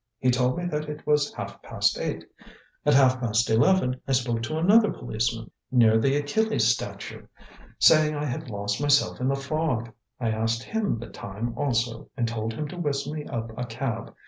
He told me that it was half past eight. At half past eleven I spoke to another policeman near the Achilles statue, saying I had lost myself in the fog. I asked him the time also, and told him to whistle me up a cab.